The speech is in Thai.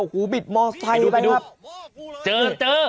หมอไซให้ไปครับ